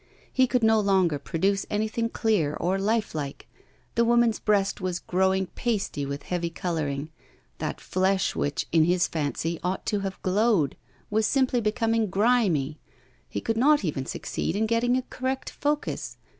He could no longer produce anything clear or life like; the woman's breast was growing pasty with heavy colouring; that flesh which, in his fancy, ought to have glowed, was simply becoming grimy; he could not even succeed in getting a correct focus.